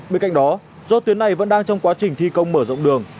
bên cạnh đó do tuyến này vẫn đang trong quá trình thi công mở rộng đường